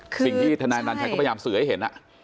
สิ่งที่ทนายนันชัยก็พยายามเสื่อให้เห็น